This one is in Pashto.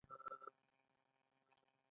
قیصر خپله لومړۍ مېرمن طلاق کړه.